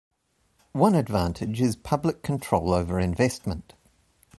One advantage is public control over investment.